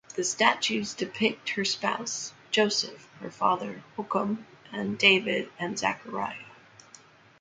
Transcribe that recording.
The statues depict her spouse Joseph, her father Joachim, and David and Zachariah.